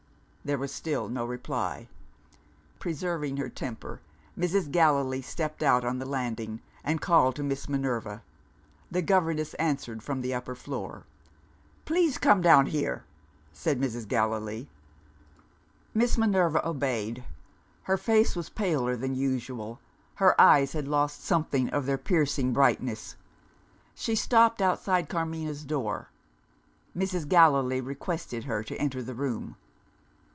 There was still no reply. Preserving her temper, Mrs. Gallilee stepped out on the landing, and called to Miss Minerva. The governess answered from the upper floor. "Please come down here," said Mrs. Galilee. Miss Minerva obeyed. Her face was paler than usual; her eyes had lost something of their piercing brightness. She stopped outside Carmina's door. Mrs. Gallilee requested her to enter the room.